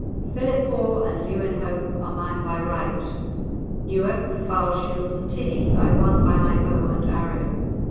"Philiphaugh and Lewinhope are mine by right, Newark, Foulshiells and Tinnies I won by my bow and arrow.